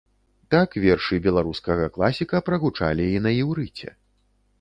Так вершы беларускага класіка прагучалі і на іўрыце.